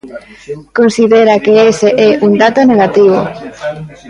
Considera que ese é un dato negativo.